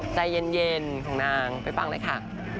ใจเย็นของนางไปฟังเลยค่ะ